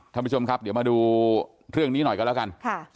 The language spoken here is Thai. ท่านผู้ชมครับเดี๋ยวมาดูเรื่องนี้หน่อยกันแล้วกัน